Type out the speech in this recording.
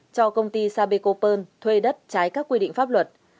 cho công ty sapeco pearl thuê đất trái các quy định pháp luật